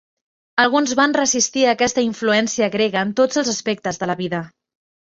Alguns van resistir aquesta influència grega en tots els aspectes de la vida.